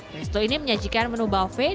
resto ini menyajikan menu bafe